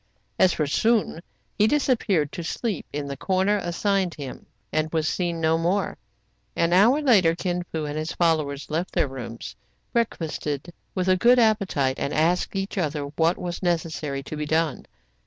As for Soun, he disappeared to sleep in the corner assigned him, and was seen no more. An hour later Kin Fo and his followers left their rooms, breakfasted with a good appetite, and asked each other what was necessary to be done.